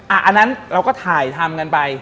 อันนั้นเราก็ถ่ายทำกันไป